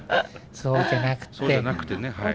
そうじゃなくてねはい。